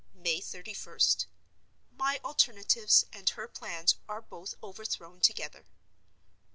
May 31st.—My alternatives and her plans are both overthrown together.